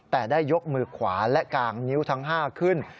แต่ได้ยกมือขวาและกางนิ้วทั้ง๕ขึ้น